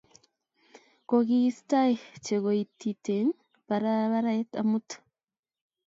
Kokiistai chekoititeng barabaret amut